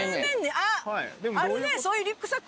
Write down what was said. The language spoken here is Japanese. あっあるね！